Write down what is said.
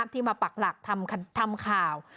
ที่มาปักหลักทำข่าว